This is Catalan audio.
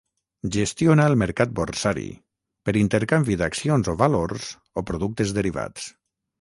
Gestiona el mercat borsari, per intercanvi d'accions o valors o productes derivats.